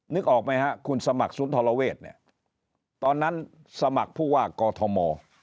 นึกออกไหมครับคุณสมัครศูนย์ธราเวทย์ตอนนั้นสมัครผู้ว่ากอทม